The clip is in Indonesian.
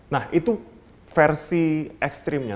nah itu versi ekstrimnya